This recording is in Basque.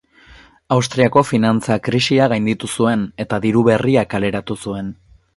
Austriako finantza-krisia gainditu zuen, eta diru berria kaleratu zuen.